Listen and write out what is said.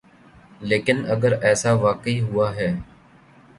لیکن اگر ایسا واقعی ہوا ہے۔